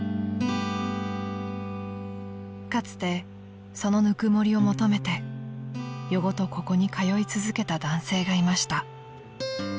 ［かつてそのぬくもりを求めて夜ごとここに通い続けた男性がいました］